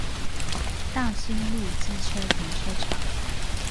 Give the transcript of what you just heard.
大新路機車停車場